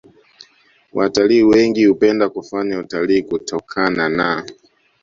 Watalii wengi hupenda kufanya utalii kutokana na